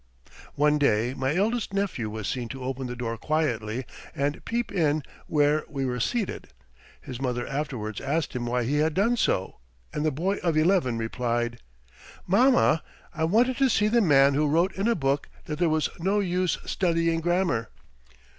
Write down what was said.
One day my eldest nephew was seen to open the door quietly and peep in where we were seated. His mother afterwards asked him why he had done so and the boy of eleven replied: "Mamma, I wanted to see the man who wrote in a book that there was no use studying grammar."